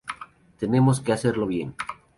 Tenemos que hacerlo bien.